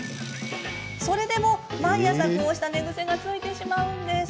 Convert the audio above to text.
それでも毎朝、こうした寝ぐせがついてしまうんです。